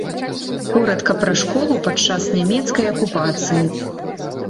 Коратка пра школу падчас нямецкай акупацыі.